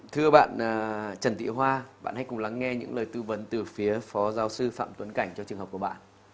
thưa bạn trần thị hoa bạn hãy cùng lắng nghe những lời tư vấn từ phía phó giáo sư phạm tuấn cảnh cho trường hợp của bạn